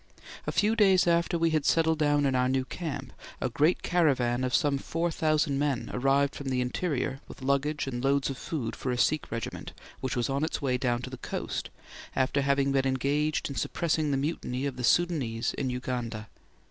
A few days after we had settled down in our new camp, a great caravan of some four thousand men arrived from the interior with luggage and loads of food for a Sikh regiment which was on its way down to the coast, after having been engaged in suppressing the mutiny of the Sudanese in Uganda.